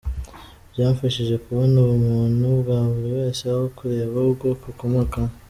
Byamfashije kubona ubumuntu bwa buri wese aho kureba ubwoko akomokamo.